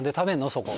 そこ。